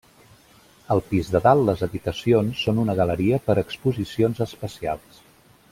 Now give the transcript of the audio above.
Al pis de dalt les habitacions són una galeria per exposicions especials.